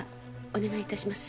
お願いします。